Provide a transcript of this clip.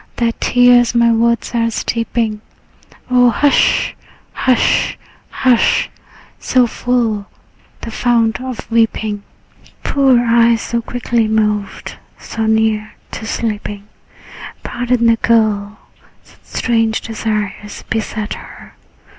Thy tears my words are steeping. O hush, hush, hush! So full, the fount of weeping? Poor eyes, so quickly moved, so near to sleeping? Pardon the girl; such strange desires beset her.